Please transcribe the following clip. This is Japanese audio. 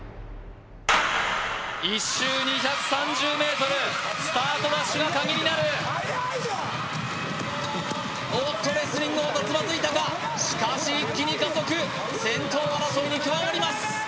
１周２３０ｍスタートダッシュが鍵になるおっとレスリング・太田つまずいたかしかし一気に加速先頭争いに加わります